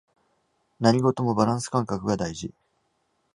何事もバランス感覚が大事